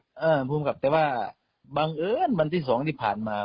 เออผู้อุ่มกลับเป็นว่าบังเอิญวันที่สองที่ผ่านมา